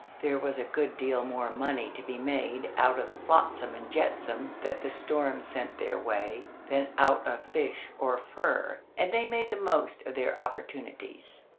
There was a good deal more money to be made out of the flotsam and jetsam that the storms sent their way than out of fish or fur, and they made the most of their opportunities.